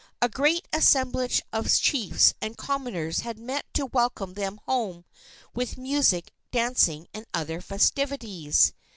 A great assemblage of chiefs and commoners had met to welcome them home with music, dancing and other festivities.